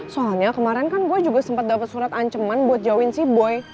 soalnya kemarin kan gue juga sempat dapet surat anceman buat jauhin si boy